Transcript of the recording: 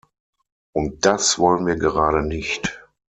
Und das wollen wir gerade nicht.